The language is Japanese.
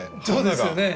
そうですよね。